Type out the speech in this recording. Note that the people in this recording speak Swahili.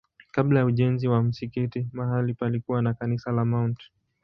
Kabla ya ujenzi wa msikiti mahali palikuwa na kanisa la Mt.